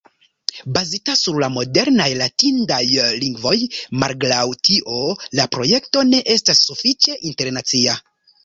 Bazita sur la modernaj latinidaj lingvoj, malgraŭ tio, la projekto ne estas sufiĉe internacia.